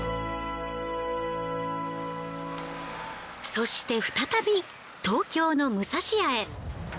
そして再び東京のむさしやへ。